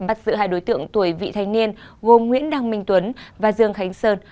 bắt giữ hai đối tượng tuổi vị thanh niên gồm nguyễn đăng minh tuấn và dương khánh sơn